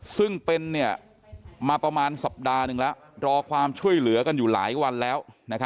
ซึ่งเป็นมาประมาณสัปดาห์หนึ่งแล้วรอความช่วยเหลือกันอยู่หลายวันแล้ว